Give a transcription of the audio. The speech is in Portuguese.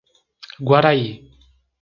Guaraí